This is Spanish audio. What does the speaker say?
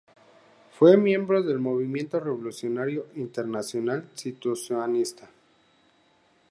Fue miembro del movimiento revolucionario Internacional Situacionista.